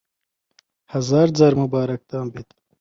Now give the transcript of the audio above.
هەزار جار موبارەکتان بێت